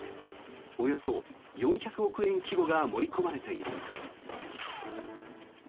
およそ４００億円規模が盛り込まれている。